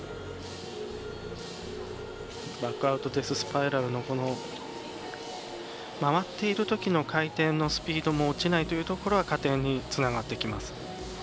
バックアウトデススパイラルのこの回っているときの回転のスピードも落ちないというところは加点につながってきます。